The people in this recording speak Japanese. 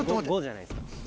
５じゃないですか？